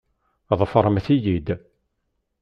Ḍefremt-iyi-d!